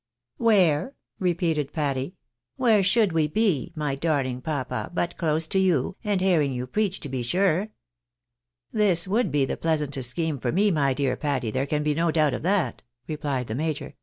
Where," repeated Patty. " Where should we be, my darhng papa, but close to you, and hearing you preach to be sure." " This would be the pleasantest scheme for me, my dear Patty, there can be no doubt of that," replied the major.